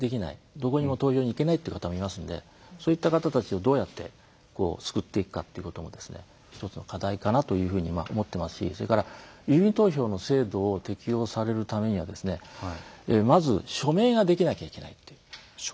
どこにも投票に行けないという方もいますので、そういった方たちをどうやって救っていくかということも１つの課題かなと思ってますしそれから郵便投票の制度を適用されるためにはまず、署名ができなきゃいけないという。